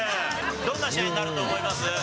どんな試合になると思います？